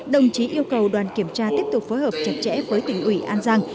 đồng chí yêu cầu đoàn kiểm tra tiếp tục phối hợp chặt chẽ với tỉnh ủy an giang